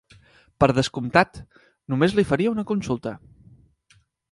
Per descomptat, només li faria una consulta.